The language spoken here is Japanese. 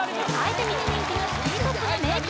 世界的に人気のシティーポップの名曲